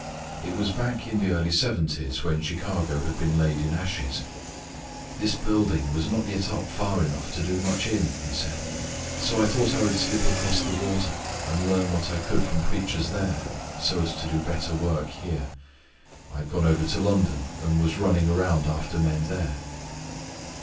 It was back in the early seventies, when Chicago had been laid in ashes. "This building was not yet up far enough to do much in," he said; "so I thought I would slip across the water, and learn what I could from preachers there, so as to do better work here. I had gone over to London, and was running around after men there."